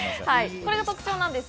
これが特徴です。